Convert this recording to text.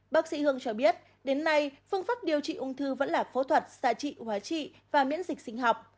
bác sĩ hương cho biết đến nay phương pháp điều trị ung thư vẫn là phẫu thuật xạ trị hóa trị và miễn dịch sinh học